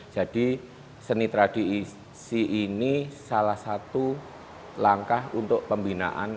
jadi seni tradisi ini salah satu langkah untuk pembinaan